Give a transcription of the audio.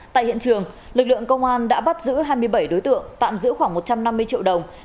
tại hiện trường lực lượng công an đã bắt giữ hai mươi bảy đối tượng tạm giữ khoảng một trăm năm mươi triệu đồng